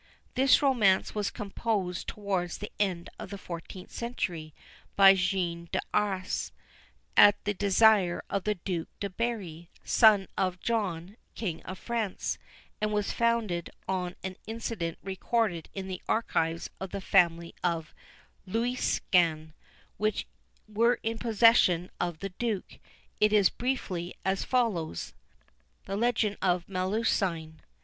This romance was composed towards the end of the fourteenth century, by Jean d'Arras, at the desire of the Duke de Berri, son of John, King of France, and was founded on an incident recorded in the archives of the family of Lusignan, which were in possession of the Duke. It is briefly as follows: THE LEGEND OF MELUSINE.